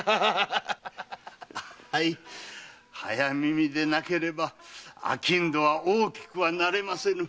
はい早耳でなければ商人は大きくはなれませぬ。